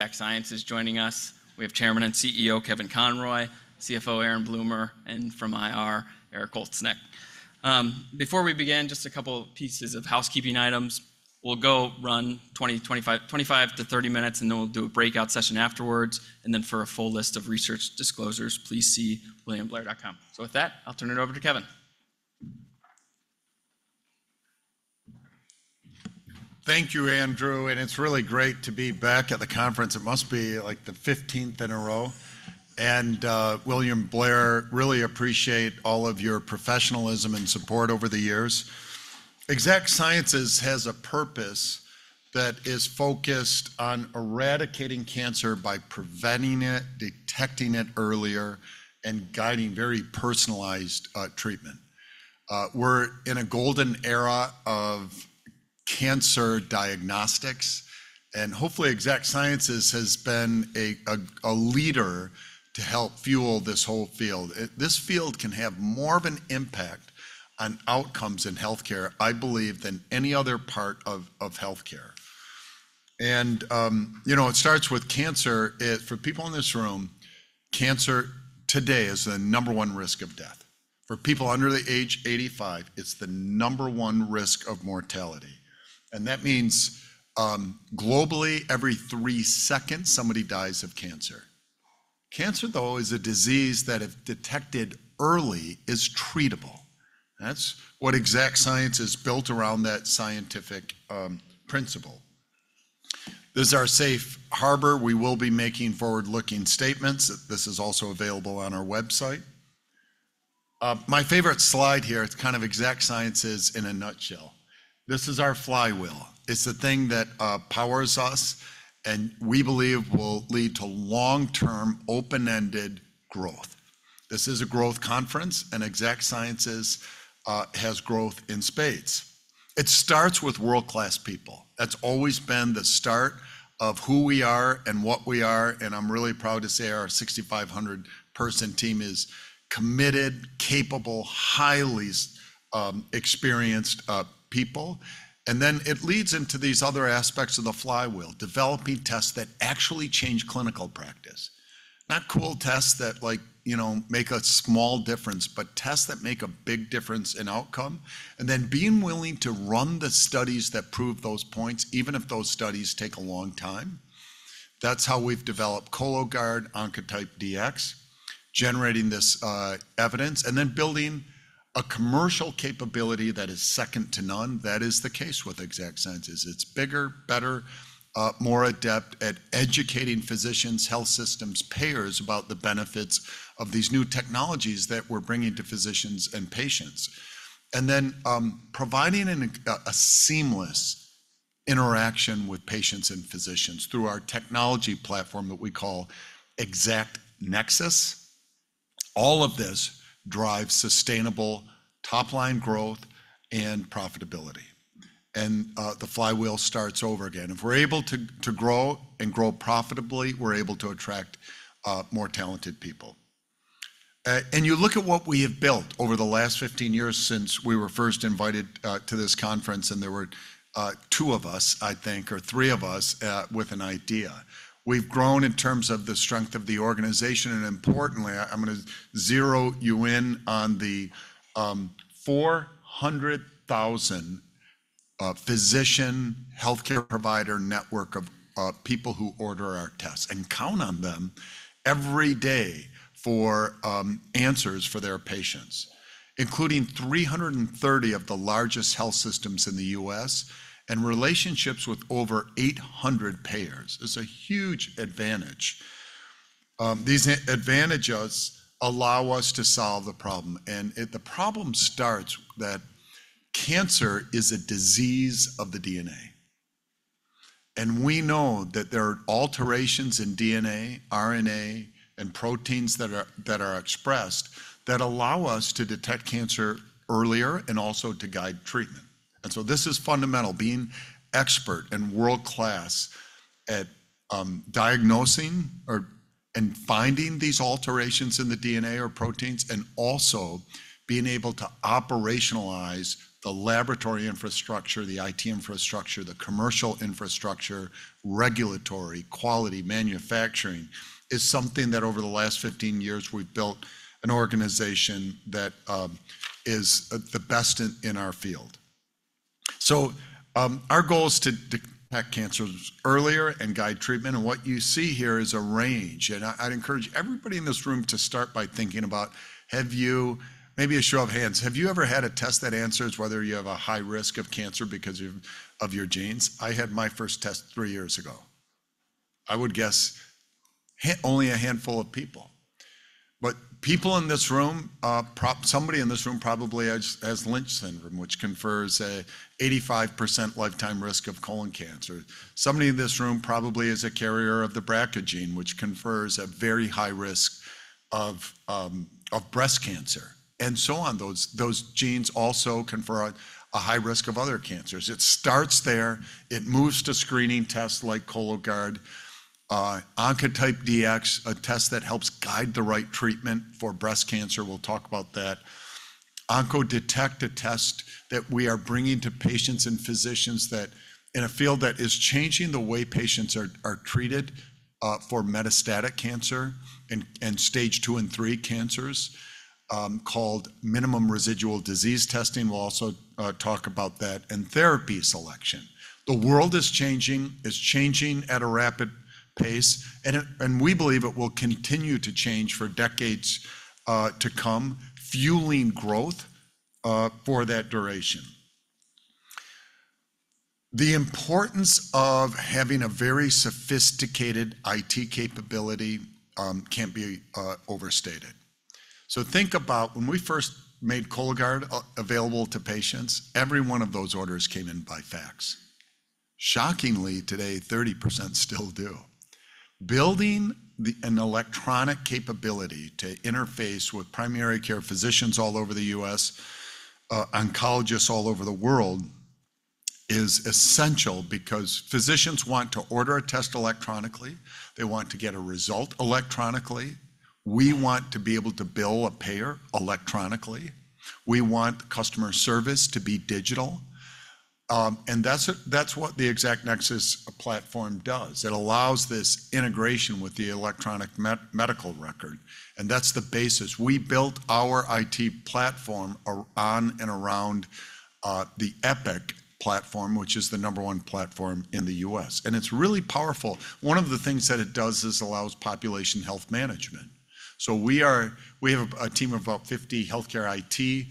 Exact Sciences joining us. We have Chairman and CEO, Kevin Conroy, CFO, Aaron Bloomer, and from IR, Erik Holznecht. Before we begin, just a couple of pieces of housekeeping items. We'll go run 20, 25, 25-30 minutes, and then we'll do a breakout session afterwards, and then for a full list of research disclosures, please see williamblair.com. So with that, I'll turn it over to Kevin. Thank you, Andrew, and it's really great to be back at the conference. It must be, like, the fifteenth in a row. And William Blair, really appreciate all of your professionalism and support over the years. Exact Sciences has a purpose that is focused on eradicating cancer by preventing it, detecting it earlier, and guiding very personalized treatment. We're in a golden era of cancer diagnostics, and hopefully, Exact Sciences has been a leader to help fuel this whole field. This field can have more of an impact on outcomes in healthcare, I believe, than any other part of healthcare. And, you know, it starts with cancer. For people in this room, cancer today is the number one risk of death. For people under the age 85, it's the number one risk of mortality, and that means, globally, every three seconds, somebody dies of cancer. Cancer, though, is a disease that, if detected early, is treatable. That's what Exact Sciences built around that scientific principle. This is our safe harbor. We will be making forward-looking statements. This is also available on our website. My favorite slide here, it's kind of Exact Sciences in a nutshell. This is our flywheel. It's the thing that powers us, and we believe will lead to long-term, open-ended growth. This is a growth conference, and Exact Sciences has growth in spades. It starts with world-class people. That's always been the start of who we are and what we are, and I'm really proud to say our 6,500-person team is committed, capable, highly experienced people. And then it leads into these other aspects of the flywheel, developing tests that actually change clinical practice. Not cool tests that, like, you know, make a small difference, but tests that make a big difference in outcome, and then being willing to run the studies that prove those points, even if those studies take a long time. That's how we've developed Cologuard, Oncotype DX, generating this evidence, and then building a commercial capability that is second to none. That is the case with Exact Sciences. It's bigger, better, more adept at educating physicians, health systems, payers about the benefits of these new technologies that we're bringing to physicians and patients. And then, providing a seamless interaction with patients and physicians through our technology platform that we call ExactNexus. All of this drives sustainable top-line growth and profitability, and the flywheel starts over again. If we're able to grow and grow profitably, we're able to attract more talented people. And you look at what we have built over the last 15 years since we were first invited to this conference, and there were two of us, I think, or three of us with an idea. We've grown in terms of the strength of the organization, and importantly, I'm gonna zero you in on the 400,000 physician, healthcare provider network of people who order our tests and count on them every day for answers for their patients, including 330 of the largest health systems in the U.S., and relationships with over 800 payers. It's a huge advantage. These advantages allow us to solve the problem, and the problem starts that cancer is a disease of the DNA, and we know that there are alterations in DNA, RNA, and proteins that are expressed that allow us to detect cancer earlier and also to guide treatment. And so this is fundamental, being expert and world-class at diagnosing and finding these alterations in the DNA or proteins, and also being able to operationalize the laboratory infrastructure, the IT infrastructure, the commercial infrastructure, regulatory, quality, manufacturing, is something that over the last 15 years, we've built an organization that is the best in our field. So, our goal is to detect cancers earlier and guide treatment, and what you see here is a range, and I'd encourage everybody in this room to start by thinking about, have you... Maybe a show of hands. Have you ever had a test that answers whether you have a high risk of cancer because of, of your genes? I had my first test three years ago. I would guess only a handful of people. But people in this room, somebody in this room probably has, has Lynch syndrome, which confers an 85% lifetime risk of colon cancer. Somebody in this room probably is a carrier of the BRCA gene, which confers a very high risk of, of breast cancer, and so on. Those, those genes also confer a, a high risk of other cancers. It starts there. It moves to screening tests like Cologuard, Oncotype DX, a test that helps guide the right treatment for breast cancer. We'll talk about that... OncoDetect, a test that we are bringing to patients and physicians that, in a field that is changing the way patients are treated for metastatic cancer and stage two and three cancers, called minimum residual disease testing. We'll also talk about that in therapy selection. The world is changing. It's changing at a rapid pace, and we believe it will continue to change for decades to come, fueling growth for that duration. The importance of having a very sophisticated IT capability can't be overstated. So think about when we first made Cologuard available to patients, every one of those orders came in by fax. Shockingly, today, 30% still do. Building an electronic capability to interface with primary care physicians all over the U.S., oncologists all over the world, is essential because physicians want to order a test electronically, they want to get a result electronically. We want to be able to bill a payer electronically. We want customer service to be digital. And that's what the ExactNexus platform does. It allows this integration with the electronic medical record, and that's the basis. We built our IT platform on and around the Epic platform, which is the number one platform in the U.S., and it's really powerful. One of the things that it does is allows population health management. So we have a team of about 50 healthcare IT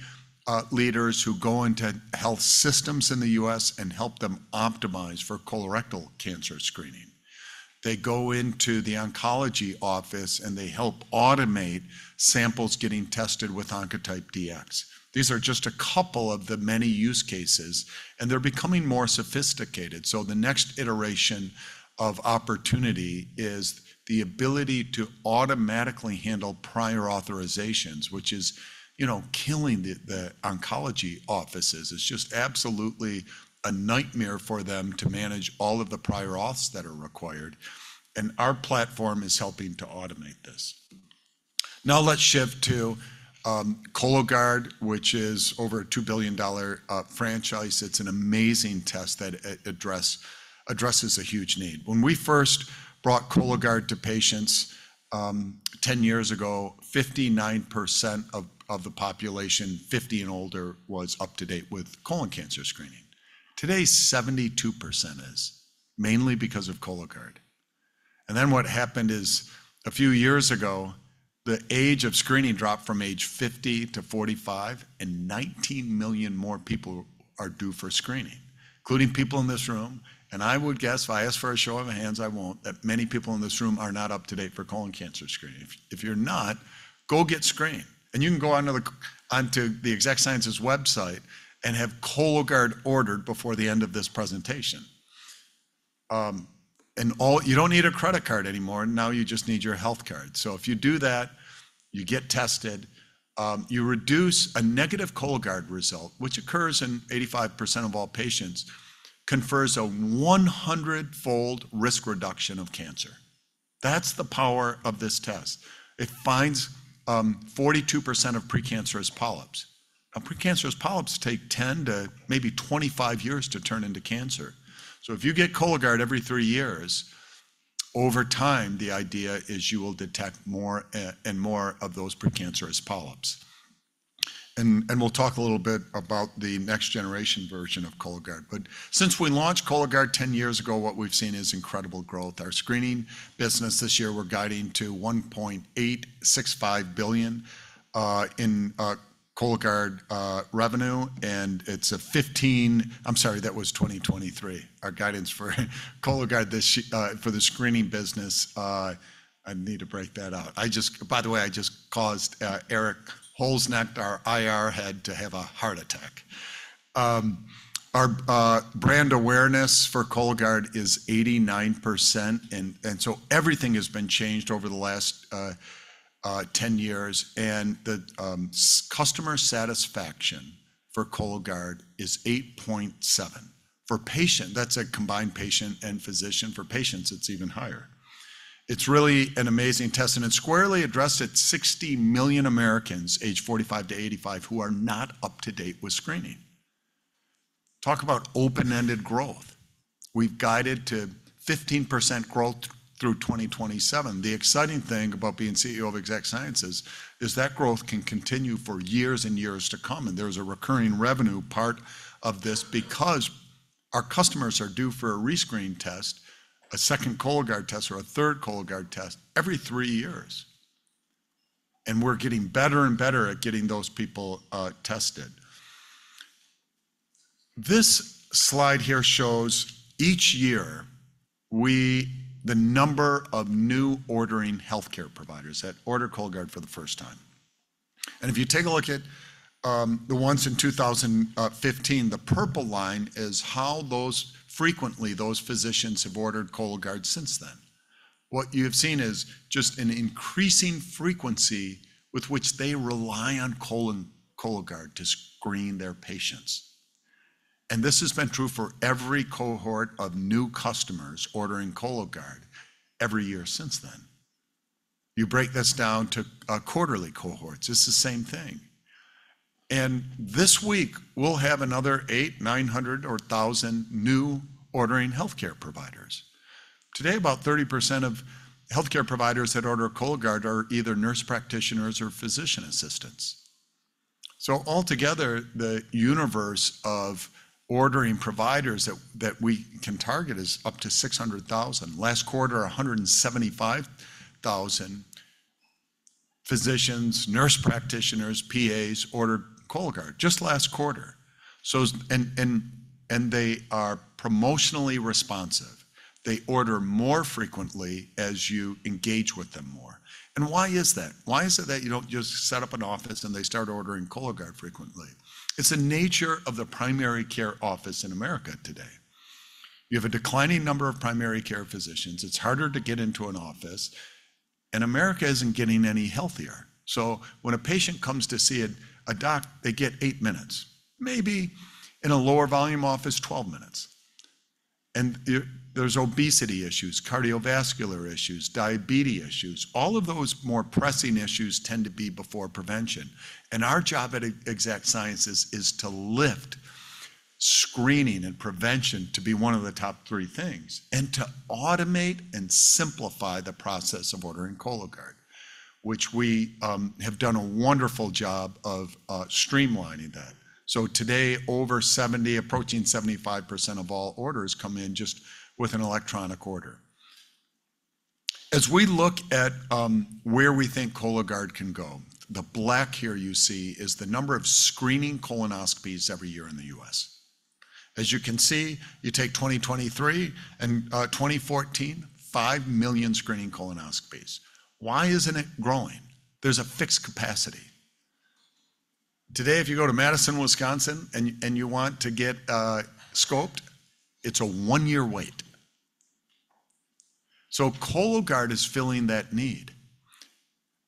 leaders who go into health systems in the U.S. and help them optimize for colorectal cancer screening. They go into the oncology office, and they help automate samples getting tested with Oncotype DX. These are just a couple of the many use cases, and they're becoming more sophisticated. So the next iteration of opportunity is the ability to automatically handle prior authorizations, which is, you know, killing the oncology offices. It's just absolutely a nightmare for them to manage all of the prior auths that are required, and our platform is helping to automate this. Now let's shift to Cologuard, which is over a $2 billion franchise. It's an amazing test that addresses a huge need. When we first brought Cologuard to patients ten years ago, 59% of the population, 50 and older, was up to date with colon cancer screening. Today, 72% is, mainly because of Cologuard. Then what happened is, a few years ago, the age of screening dropped from age 50 to 45, and 19 million more people are due for screening, including people in this room. I would guess, if I ask for a show of hands, I won't, that many people in this room are not up to date for colon cancer screening. If you're not, go get screened. You can go onto the Exact Sciences website and have Cologuard ordered before the end of this presentation. You don't need a credit card anymore, now you just need your health card. If you do that, you get tested, you receive a negative Cologuard result, which occurs in 85% of all patients, confers a 100-fold risk reduction of cancer. That's the power of this test. It finds 42% of precancerous polyps. Now, precancerous polyps take 10 to maybe 25 years to turn into cancer. So if you get Cologuard every three years, over time, the idea is you will detect more and more of those precancerous polyps. And we'll talk a little bit about the next generation version of Cologuard. But since we launched Cologuard 10 years ago, what we've seen is incredible growth. Our screening business this year, we're guiding to $1.865 billion in Cologuard revenue, and it's a fifteen... I'm sorry, that was 2023. Our guidance for Cologuard this year for the screening business, I need to break that out. By the way, I just caused Erik Holznecht, our IR head, to have a heart attack. Our brand awareness for Cologuard is 89%, and so everything has been changed over the last 10 years, and the customer satisfaction for Cologuard is 8.7. For patient, that's a combined patient and physician. For patients, it's even higher. It's really an amazing test, and it's squarely addressed at 60 million Americans, aged 45-85, who are not up to date with screening. Talk about open-ended growth. We've guided to 15% growth through 2027. The exciting thing about being CEO of Exact Sciences is that growth can continue for years and years to come, and there's a recurring revenue part of this because our customers are due for a re-screen test, a second Cologuard test, or a third Cologuard test every three years. And we're getting better and better at getting those people tested. This slide here shows each year, the number of new ordering healthcare providers that order Cologuard for the first time. If you take a look at the ones in 2015, the purple line is how frequently those physicians have ordered Cologuard since then. What you have seen is just an increasing frequency with which they rely on Cologuard to screen their patients. This has been true for every cohort of new customers ordering Cologuard every year since then. You break this down to quarterly cohorts, it's the same thing. This week, we'll have another 800-1,000 new ordering healthcare providers. Today, about 30% of healthcare providers that order Cologuard are either nurse practitioners or physician assistants. So altogether, the universe of ordering providers that we can target is up to 600,000. Last quarter, 175,000 physicians, nurse practitioners, PAs, ordered Cologuard, just last quarter. So they are promotionally responsive. They order more frequently as you engage with them more. And why is that? Why is it that you don't just set up an office, and they start ordering Cologuard frequently? It's the nature of the primary care office in America today. You have a declining number of primary care physicians. It's harder to get into an office, and America isn't getting any healthier. So when a patient comes to see a doc, they get eight minutes, maybe in a lower volume office, 12 minutes. And there's obesity issues, cardiovascular issues, diabetes issues. All of those more pressing issues tend to be before prevention, and our job at Exact Sciences is to lift screening and prevention to be one of the top three things and to automate and simplify the process of ordering Cologuard, which we have done a wonderful job of streamlining that. So today, over 70, approaching 75% of all orders come in just with an electronic order. As we look at where we think Cologuard can go, the black here you see is the number of screening colonoscopies every year in the U.S. As you can see, you take 2023 and 2014, five million screening colonoscopies. Why isn't it growing? There's a fixed capacity. Today, if you go to Madison, Wisconsin, and you want to get scoped, it's a one-year wait. So Cologuard is filling that need,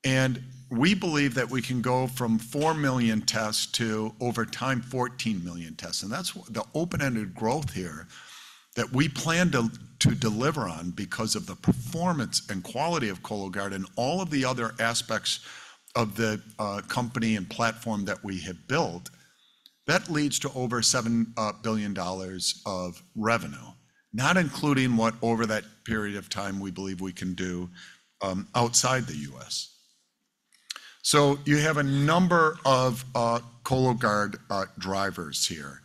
and we believe that we can go from four million tests to, over time, 14 million tests, and that's the open-ended growth here that we plan to deliver on because of the performance and quality of Cologuard and all of the other aspects of the company and platform that we have built. That leads to over $7 billion of revenue, not including what, over that period of time, we believe we can do outside the U.S. So you have a number of Cologuard drivers here,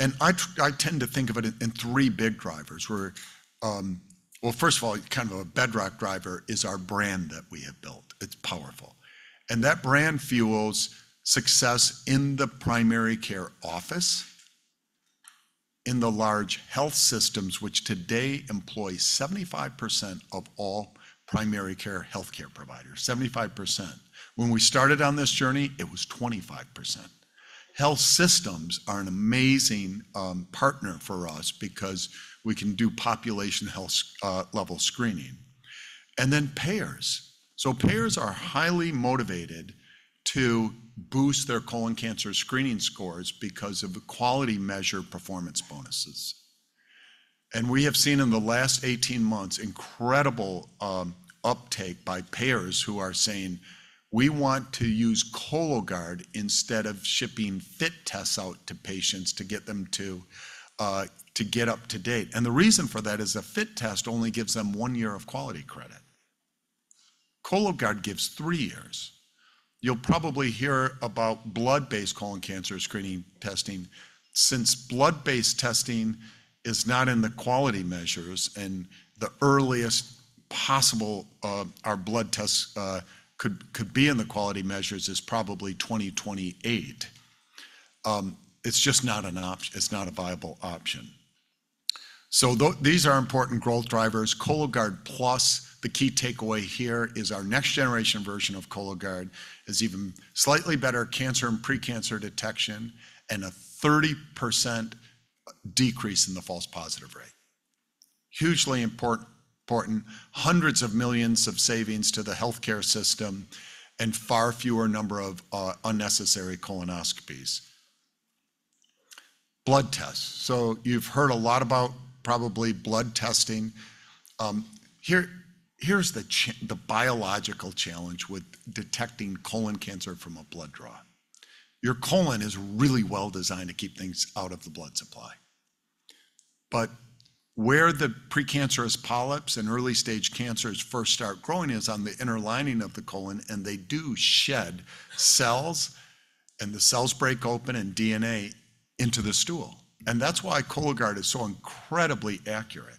and I tend to think of it in three big drivers, where... Well, first of all, kind of a bedrock driver is our brand that we have built. It's powerful. And that brand fuels success in the primary care office, in the large health systems, which today employ 75% of all primary care healthcare providers, 75%. When we started on this journey, it was 25%. Health systems are an amazing partner for us because we can do population health level screening. And then payers. So payers are highly motivated to boost their colon cancer screening scores because of the quality measure performance bonuses. And we have seen in the last 18 months, incredible uptake by payers who are saying, "We want to use Cologuard instead of shipping FIT tests out to patients to get them to get up to date." And the reason for that is a FIT test only gives them one year of quality credit. Cologuard gives three years. You'll probably hear about blood-based colon cancer screening testing. Since blood-based testing is not in the quality measures, and the earliest possible our blood tests could be in the quality measures is probably 2028, it's just not a viable option. So these are important growth drivers. Cologuard Plus, the key takeaway here is our next generation version of Cologuard, is even slightly better cancer and pre-cancer detection and a 30% decrease in the false positive rate. Hugely important, hundreds of million dollars of savings to the healthcare system and far fewer number of unnecessary colonoscopies. Blood tests. So you've heard a lot about probably blood testing. Here, here's the biological challenge with detecting colon cancer from a blood draw. Your colon is really well-designed to keep things out of the blood supply. But where the precancerous polyps and early-stage cancers first start growing is on the inner lining of the colon, and they do shed cells, and the cells break open and DNA into the stool, and that's why Cologuard is so incredibly accurate.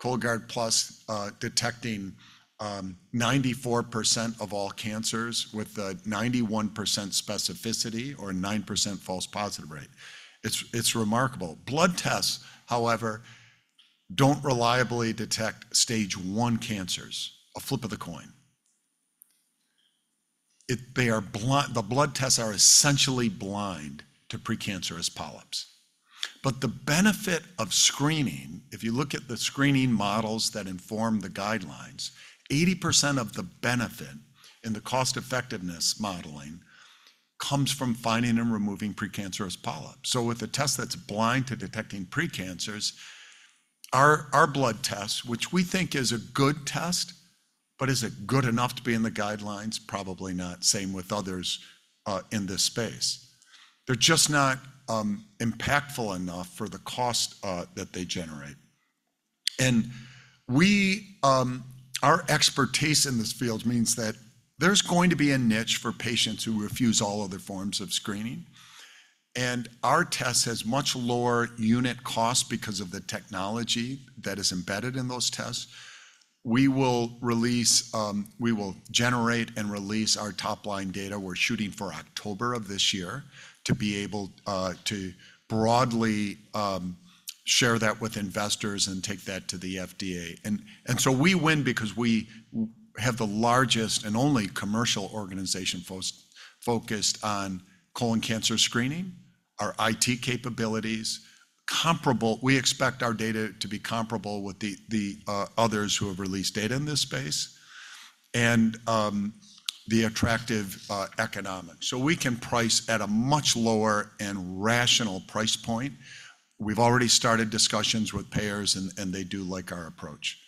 Cologuard Plus, detecting 94% of all cancers with a 91% specificity or 9% false positive rate. It's remarkable. Blood tests, however, don't reliably detect Stage I cancers, a flip of the coin. They are blind. The blood tests are essentially blind to precancerous polyps. But the benefit of screening, if you look at the screening models that inform the guidelines, 80% of the benefit in the cost-effectiveness modeling comes from finding and removing precancerous polyps. So with a test that's blind to detecting precancers, our blood test, which we think is a good test, but is it good enough to be in the guidelines? Probably not. Same with others in this space. They're just not impactful enough for the cost that they generate. And we, our expertise in this field means that there's going to be a niche for patients who refuse all other forms of screening. And our test has much lower unit cost because of the technology that is embedded in those tests. We will release—we will generate and release our top-line data. We're shooting for October of this year to be able to broadly share that with investors and take that to the FDA. So we win because we have the largest and only commercial organization focused on colon cancer screening. Our IT capabilities comparable. We expect our data to be comparable with the others who have released data in this space, and the attractive economics. So we can price at a much lower and rational price point. We've already started discussions with payers, and they do like our approach.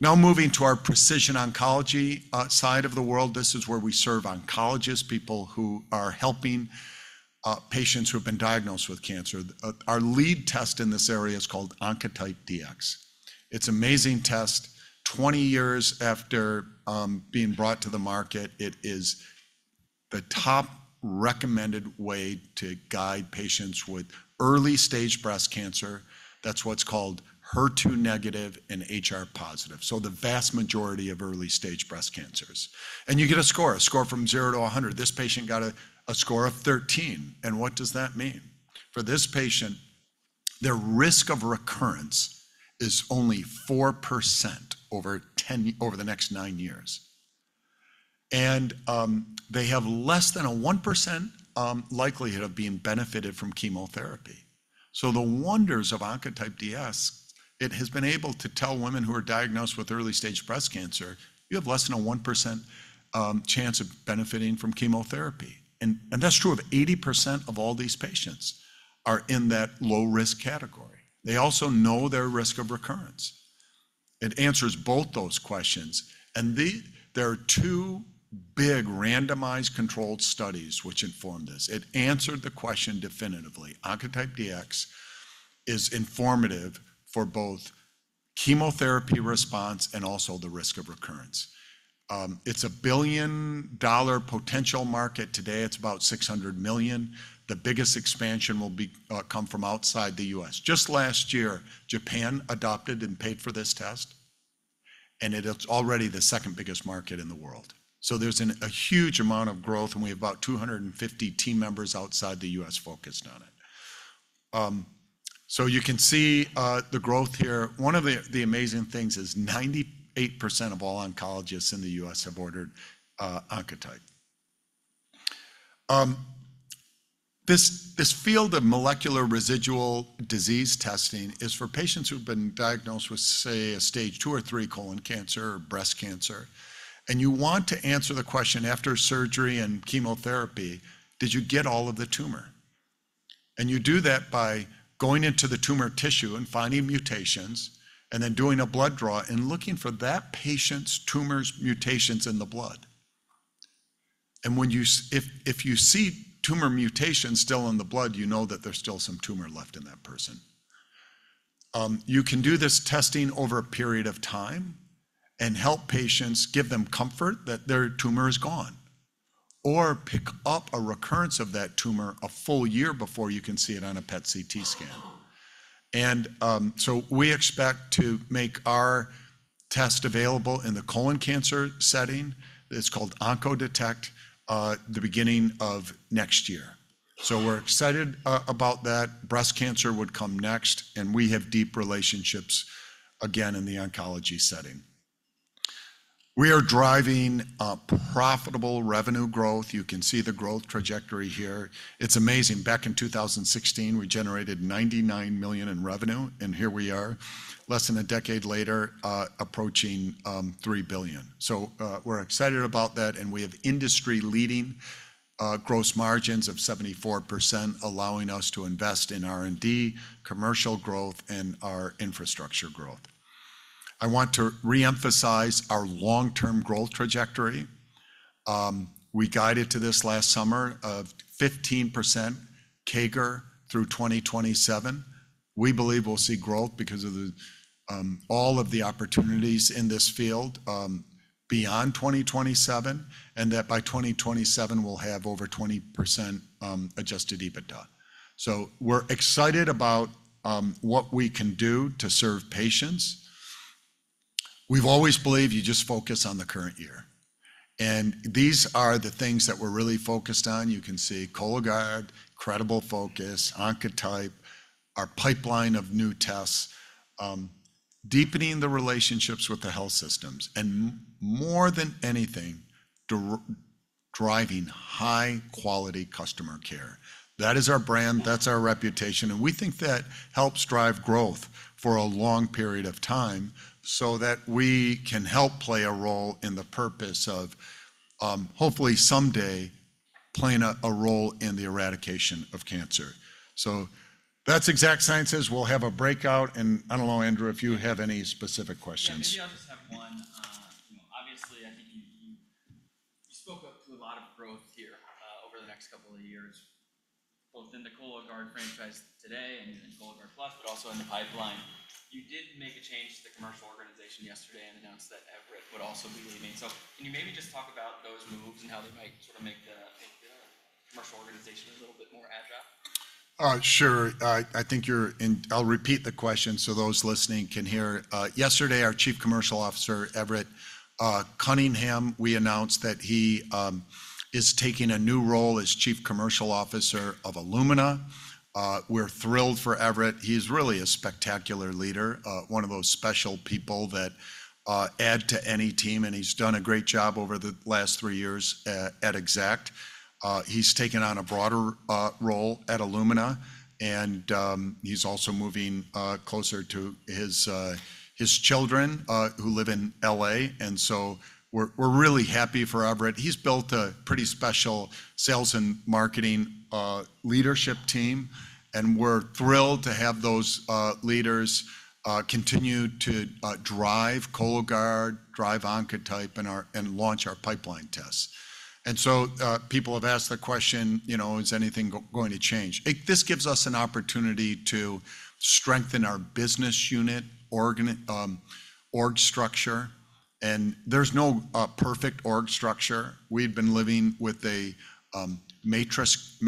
Now, moving to our precision oncology side of the world, this is where we serve oncologists, people who are helping patients who have been diagnosed with cancer. Our lead test in this area is called Oncotype DX. It's amazing test. 20 years after being brought to the market, it is the top recommended way to guide patients with early-stage breast cancer. That's what's called HER2 negative and HR positive, so the vast majority of early-stage breast cancers. You get a score, a score from zero to 100. This patient got a, a score of 13. What does that mean? For this patient, their risk of recurrence is only 4% over the next nine years. And they have less than a 1% likelihood of being benefited from chemotherapy. So the wonders of Oncotype DX, it has been able to tell women who are diagnosed with early-stage breast cancer, "You have less than a 1% chance of benefiting from chemotherapy." And that's true of 80% of all these patients are in that low-risk category. They also know their risk of recurrence. It answers both those questions, and there are two big randomized controlled studies which informed this. It answered the question definitively. Oncotype DX is informative for both chemotherapy response and also the risk of recurrence. It's a billion-dollar potential market. Today, it's about $600 million. The biggest expansion will be come from outside the U.S. Just last year, Japan adopted and paid for this test, and it is already the second biggest market in the world. So there's a huge amount of growth, and we have about 250 team members outside the U.S. focused on it. So you can see, the growth here. One of the amazing things is 98% of all oncologists in the U.S. have ordered Oncotype. This field of molecular residual disease testing is for patients who've been diagnosed with, say, a Stage 2 or three colon cancer or breast cancer, and you want to answer the question: after surgery and chemotherapy, did you get all of the tumor? And you do that by going into the tumor tissue and finding mutations, and then doing a blood draw and looking for that patient's tumors mutations in the blood. And when you see tumor mutations still in the blood, you know that there's still some tumor left in that person. You can do this testing over a period of time and help patients give them comfort that their tumor is gone, or pick up a recurrence of that tumor a full year before you can see it on a PET CT scan. We expect to make our test available in the colon cancer setting; it's called OncoDetect, the beginning of next year. So we're excited about that. Breast cancer would come next, and we have deep relationships, again, in the oncology setting. We are driving a profitable revenue growth. You can see the growth trajectory here. It's amazing. Back in 2016, we generated $99 million in revenue, and here we are, less than a decade later, approaching $3 billion. So, we're excited about that, and we have industry-leading gross margins of 74%, allowing us to invest in R&D, commercial growth, and our infrastructure growth. I want to re-emphasize our long-term growth trajectory. We guided to this last summer of 15% CAGR through 2027. We believe we'll see growth because of all of the opportunities in this field beyond 2027, and that by 2027, we'll have over 20% adjusted EBITDA. So we're excited about what we can do to serve patients. We've always believed you just focus on the current year, and these are the things that we're really focused on. You can see Cologuard, credible focus, Oncotype, our pipeline of new tests, deepening the relationships with the health systems, and more than anything, driving high-quality customer care. That is our brand, that's our reputation, and we think that helps drive growth for a long period of time so that we can help play a role in the purpose of hopefully someday playing a role in the eradication of cancer. So that's Exact Sciences. We'll have a breakout, and I don't know, Andrew, if you have any specific questions. Yeah, maybe I'll just have one. You know, obviously, I think you spoke up to a lot of growth here over the next couple of years, both in the Cologuard franchise today and Cologuard Plus, but also in the pipeline. You did make a change to the commercial organization yesterday and announced that Everett would also be leaving. So can you maybe just talk about those moves and how they might sort of make the commercial organization a little bit more agile? Sure. I'll repeat the question so those listening can hear. Yesterday, our Chief Commercial Officer, Everett Cunningham, we announced that he is taking a new role as Chief Commercial Officer of Illumina. We're thrilled for Everett. He's really a spectacular leader, one of those special people that add to any team, and he's done a great job over the last three years at Exact. He's taken on a broader role at Illumina, and he's also moving closer to his children, who live in L.A., and so we're really happy for Everett. He's built a pretty special sales and marketing leadership team, and we're thrilled to have those leaders continue to drive Cologuard, drive Oncotype, and launch our pipeline tests. And so, people have asked the question, you know: Is anything going to change? This gives us an opportunity to strengthen our business unit org structure, and there's no perfect org structure. We've been living with a matrix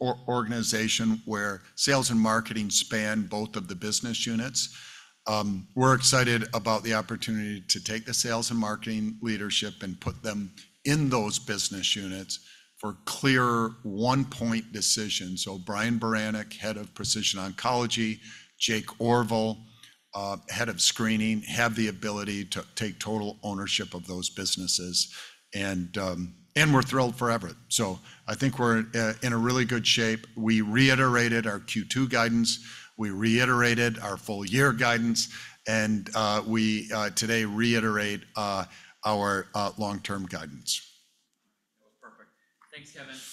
organization, where sales and marketing span both of the business units. We're excited about the opportunity to take the sales and marketing leadership and put them in those business units for clearer one-point decisions. So Brian Baranick, Head of Precision Oncology, Jake Orville, Head of Screening, have the ability to take total ownership of those businesses, and we're thrilled for Everett. So I think we're in a really good shape. We reiterated our Q2 guidance, we reiterated our full year guidance, and we today reiterate our long-term guidance. Perfect. Thanks, Kevin. We'll leave it there.